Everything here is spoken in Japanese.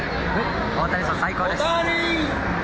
大谷さん、最高です。